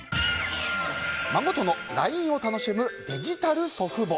孫とのＬＩＮＥを楽しむデジタル祖父母。